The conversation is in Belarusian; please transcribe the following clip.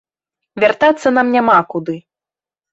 Вяртацца нам няма куды.